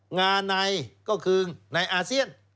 งาในก็คือในอาเซียน